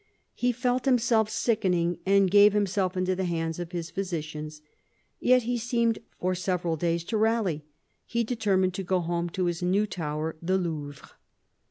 He felt himself sickening and gave himself into the hands of his physicians. Yet he seemed for several days to rally. He determined to go home to his new tower, the Louvre.